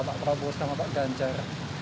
pak prabowo sama pak ganjar